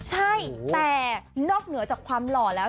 ใช่แต่นอกเหนือจากความหล่อแล้ว